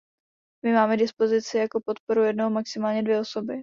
My máme k dispozici jako podporu jednoho, maximálně dvě osoby.